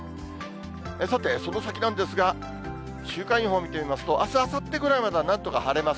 さて、その先なんですが、週間予報を見てみますと、あす、あさってぐらいまではなんとか晴れます。